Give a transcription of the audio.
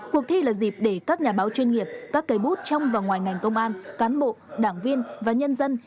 cuộc thi là dịp để các nhà báo chuyên nghiệp các cây bút trong và ngoài ngành công an cán bộ đảng viên và nhân dân